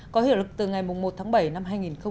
có hiệu lực từ ngày một tháng bảy năm hai nghìn một mươi bảy